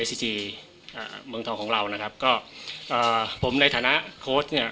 เมืองทองของเรานะครับก็เอ่อผมในฐานะโค้ชเนี่ย